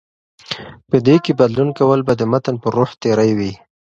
په دې کې بدلون کول به د متن پر روح تېری وي